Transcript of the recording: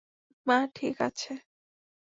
মা ঠিক আছে।